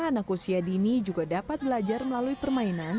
anak usia dini juga dapat belajar melalui permainan